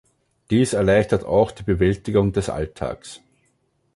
Dies erleichtert auch die Bewältigung des Alltags.